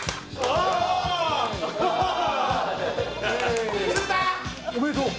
アリおめでとう！